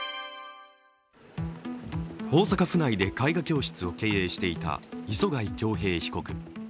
大阪府内で絵画教室を経営していた礒貝享平被告。